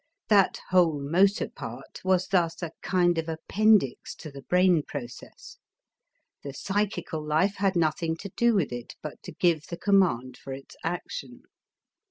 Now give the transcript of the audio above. That whole motor part was thus a kind of appendix to the brain process. The psychical life had nothing to do with it but to give the command for its action.